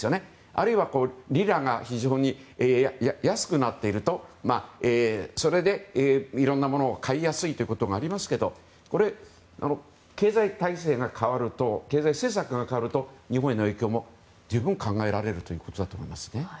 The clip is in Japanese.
あるいはリラが非常に安くなっていてそれでいろんなものを買いやすいということがありますけどこれ、経済政策が変わると日本への影響も十分考えられると思います。